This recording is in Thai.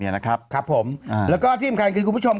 นะครับครับผมแล้วก็ที่สำคัญคือคุณผู้ชม